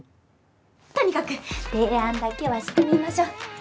とにかく提案だけはしてみましょう。